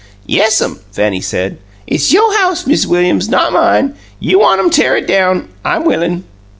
"Yes'm," Fanny said. "It's yo' house, Miz Williams, not mine. You want 'em tear it down, I'm willin'."